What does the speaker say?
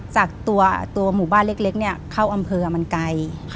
จากตัวหมู่บ้านเล็กเข้าอำเภอมันไกล